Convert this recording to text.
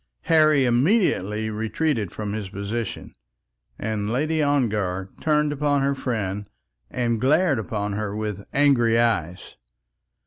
Harry immediately retreated from his position, and Lady Ongar turned upon her friend, and glared upon her with angry eyes.